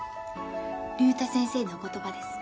竜太先生のお言葉です。